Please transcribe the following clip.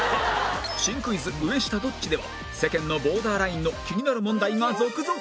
新クイズ「上下どっち？」では世間のボーダーラインの気になる問題が続々